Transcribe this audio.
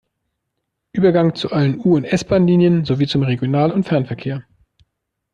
Übergang zu allen U- und S-Bahnlinien sowie zum Regional- und Fernverkehr.